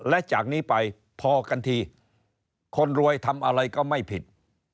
และจากนี้ไปพอกันทีคนรวยทำอะไรก็ไม่ผิด